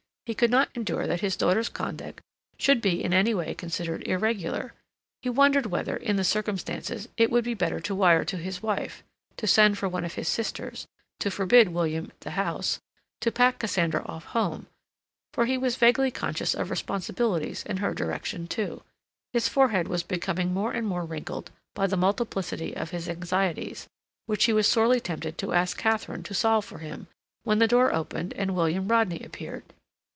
He could not endure that his daughter's conduct should be in any way considered irregular. He wondered whether, in the circumstances, it would be better to wire to his wife, to send for one of his sisters, to forbid William the house, to pack Cassandra off home—for he was vaguely conscious of responsibilities in her direction, too. His forehead was becoming more and more wrinkled by the multiplicity of his anxieties, which he was sorely tempted to ask Katharine to solve for him, when the door opened and William Rodney appeared.